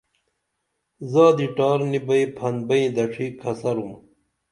زادی ٹار نی بئی پھن بئیں دڇھی کھسرُم